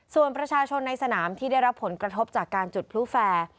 ส่วนประชาชนในสนามที่ได้รับผลกระทบจากการจุดพลุแฟร์